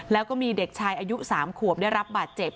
แล้วก็มีเด็กชายอายุ๓ขวบได้รับบาดเจ็บ